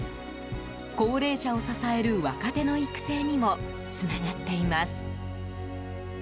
高齢者を支える若手の育成にもつながっています。